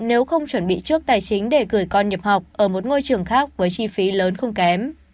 nếu không chuẩn bị trước tài chính để gửi con nhập học ở một ngôi trường khác với chi phí lớn không kém